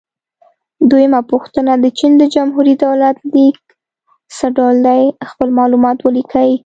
دویمه پوښتنه: د چین د جمهوري دولت لیک څه ډول دی؟ خپل معلومات ولیکئ.